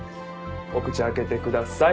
お口開けてください。